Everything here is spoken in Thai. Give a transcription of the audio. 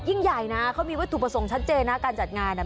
ยิ่งใหญ่นะเขามีวัตถุประสงค์ชัดเจนนะการจัดงานเนี่ย